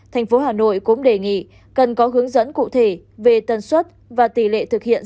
thành phố hà nội cũng đề nghị cần có hướng dẫn cụ thể về tần suất và tỷ lệ thực hiện